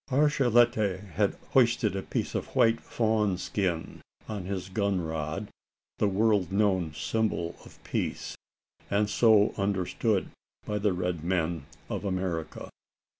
Archilete had hoisted a piece of white fawn skin on his gun rod the world known symbol of peace, and so understood by the red men of America.